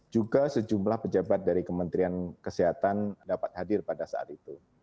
juga sejumlah pejabat dari kementerian kesehatan dapat hadir pada saat itu